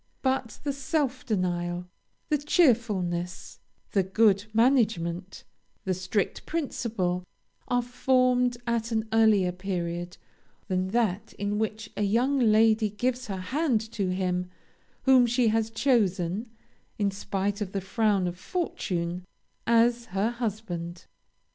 But the self denial, the cheerfulness, the good management, the strict principle, are formed at an earlier period than that in which a young lady gives her hand to him whom she has chosen, in spite of the frown of fortune, as her husband.